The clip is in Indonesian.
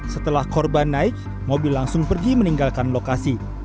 setelah korban naik mobil langsung pergi meninggalkan lokasi